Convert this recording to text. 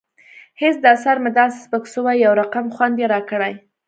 هېڅ دا سر مې داسې سپک سوى يو رقم خوند يې راکړى.